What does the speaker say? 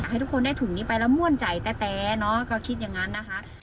ให้ทุกคนได้ถุงนี้ไปแล้วม่วนใจแต๊เนอะก็คิดอย่างนั้นนะคะ